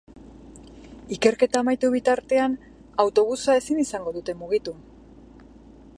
Ikerketa amaitu bitartean, autobusa ezingo dute mugitu.